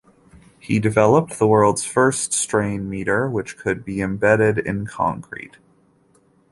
He developed the world's first strain meter which could be embedded in concrete.